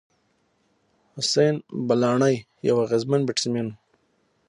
حسېن بلاڼي یو اغېزمن بېټسمېن وو.